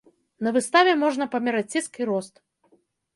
На выставе можна памераць ціск і рост.